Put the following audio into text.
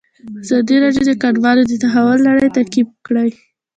ازادي راډیو د کډوال د تحول لړۍ تعقیب کړې.